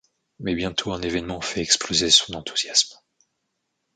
Mais bientôt un évènement fait exploser son enthousiasme.